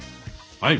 はい！